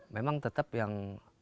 memang tetap yang